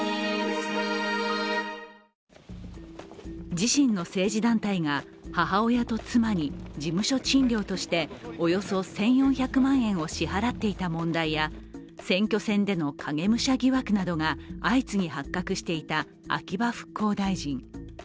自身の政治団体が母親と妻に事務所賃料としておよそ１４００万円を支払っていた問題や選挙戦での影武者疑惑などが相次ぎ発覚していた秋葉復興大臣。